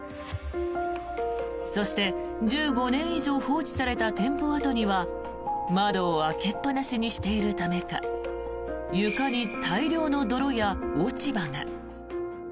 そして、１５年以上放置された店舗跡には窓を開けっぱなしにしているためか床に大量の泥や落ち葉が。